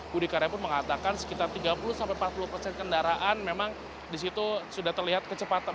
budi karepun mengatakan sekitar tiga puluh sampai empat puluh persen kendaraan memang di situ sudah terlihat kecepatan